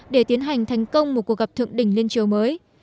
để tiến hành thành công một cuộc gặp thượng đỉnh lên chiều mới